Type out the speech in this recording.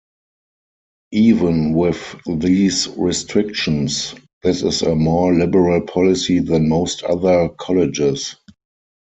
Even with these restrictions, this is a more liberal policy than most other colleges.